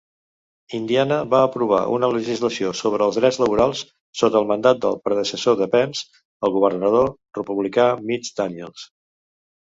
Indiana va aprovar una legislació sobre els drets laborals sota el mandat del predecessor de Pence, el governador republicà Mitch Daniels.